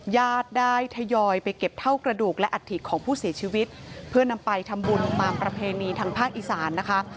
ญาติได้ทยอยไปเก็บเท่ากระดูกและอัฐิของผู้เสียชีวิตเพื่อนำไปทำบุญตามประเพณีทางภาคอีสานนะคะ